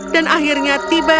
dan akhirnya tiba